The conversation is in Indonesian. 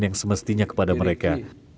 yang semestinya kepada mereka